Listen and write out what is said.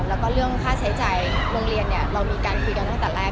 แล้วก็เรื่องค่าใช้จ่ายโรงเรียนเรามีการคุยกันตั้งแต่แรก